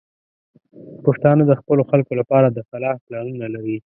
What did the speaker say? پښتانه د خپلو خلکو لپاره د فلاح پلانونه لري.